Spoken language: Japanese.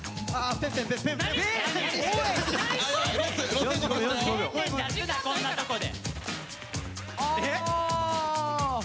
天然こんなとこで。